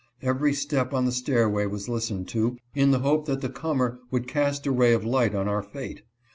Every step on the stairway was listened to, in the hope that the comer would cast a ray of light on our fate.